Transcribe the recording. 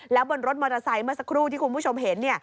แล้วบนรถมอเตอร์ไซค์เมื่อสักครู่ที่คุณผู้ชมเห็น